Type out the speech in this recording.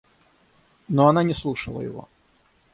Но она не слушала его.